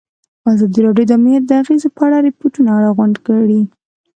ازادي راډیو د امنیت د اغېزو په اړه ریپوټونه راغونډ کړي.